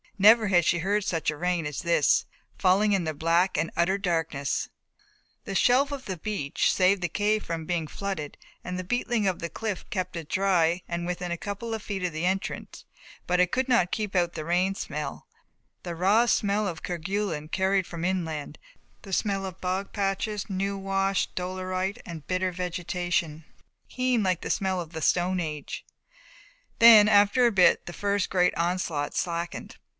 Never had she heard such rain as this, falling in the black and utter darkness. The shelve of the beach saved the cave from being flooded and the beetling of the cliff kept it dry and within a couple of feet of the entrance but it could not keep out the rain smell, the raw smell of Kerguelen carried from inland, the smell of bog patches and new washed dolerite and bitter vegetation, keen, like the smell of the Stone Age. Then after a bit the first great onslaught slackened.